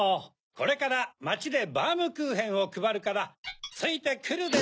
これからまちでバームクーヘンをくばるからついてくるで。